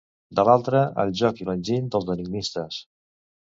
De l'altra, el joc i l'enginy dels enigmistes.